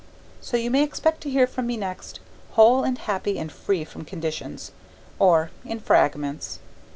So you may expect to hear from me next, whole and happy and free from conditions, or in fragments.